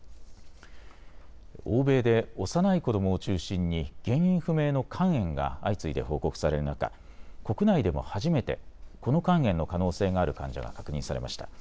欧米で幼い子どもを中心に原因不明の肝炎が相次いで報告される中、国内でも初めてこの肝炎の可能性がある患者が確認されました。